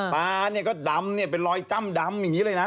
ตาเนี่ยก็ดำเนี่ยเป็นรอยจ้ำดำอย่างนี้เลยนะ